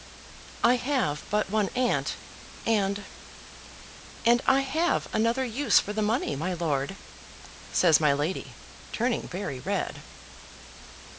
"I have but one aunt and and I have another use for the money, my lord," says my lady, turning very red.